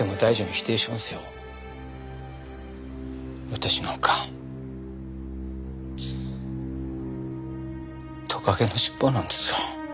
私なんかトカゲの尻尾なんですよ。